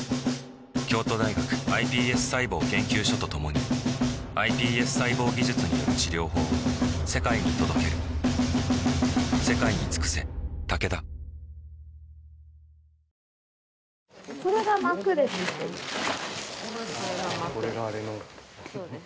京都大学ｉＰＳ細胞研究所と共にｉＰＳ細胞技術による治療法を世界に届けるこれがあれのそうです